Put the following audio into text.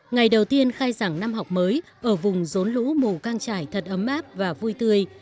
ngày đầu tiên khai giảng năm học mới ở vùng rốn lũ mù căng trải thật ấm áp và vui tươi